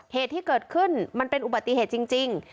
เหตุที่เกิดขึ้นมันเป็นอุบัติเหตุจริง